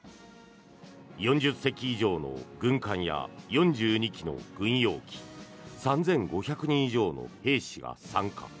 ４０隻以上の軍艦や４２機の軍用機３５００人以上の兵士が参加。